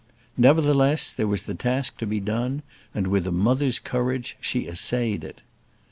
Nevertheless, there was the task to be done, and with a mother's courage she essayed it.